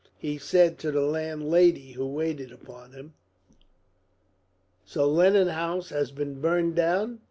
He said to the landlady who waited upon him: "So Lennon House has been burned down?